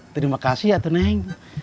terima kasih ya teneng